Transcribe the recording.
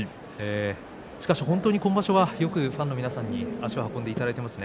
本当に今場所はよくファンの皆さんに足を運んでいただいていますね。